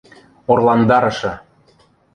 Орландарышы!